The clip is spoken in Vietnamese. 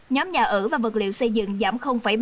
nhóm nhà ở và vật liệu xây dựng giảm ba mươi